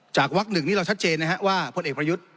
จากวักหนึ่งนี้เราชัดเจนนะครับว่าพลเอกประยุทธ์